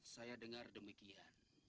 saya dengar demikian